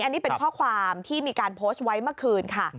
อันนี้เป็นข้อความที่มีการโพสต์ไว้เมื่อคืนค่ะ